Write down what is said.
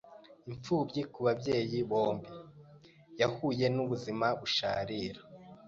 imfubyi ku babyeyi bombi, yahuye n’ubuzima busharira